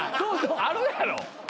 あるやろ。